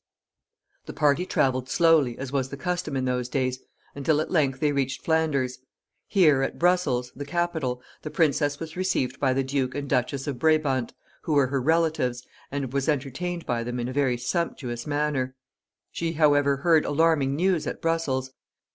The party traveled slowly, as was the custom in those days, until at length they reached Flanders. Here, at Brussels, the capital, the princess was received by the Duke and Duchess of Brabant, who were her relatives, and was entertained by them in a very sumptuous manner. She, however, heard alarming news at Brussels.